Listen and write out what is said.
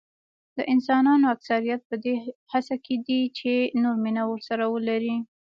د انسانانو اکثریت په دې هڅه کې دي چې نور مینه ورسره ولري.